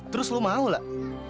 terus lo mau lah